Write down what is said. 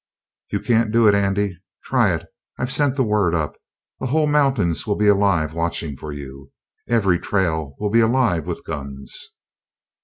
"You can't do it, Andy. Try it. I've sent the word up. The whole mountains will be alive watchin' for you. Every trail will be alive with guns."